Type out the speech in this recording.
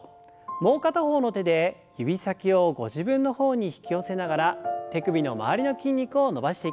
もう片方の手で指先をご自分の方に引き寄せながら手首の周りの筋肉を伸ばしていきます。